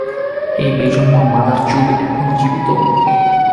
এই বেজন্মা মাদারচুদ এখনো জীবিত।